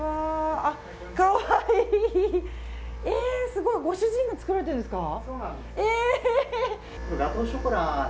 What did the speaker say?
すごい、ご主人が作られてるんですか。